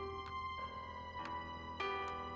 ini udah kaget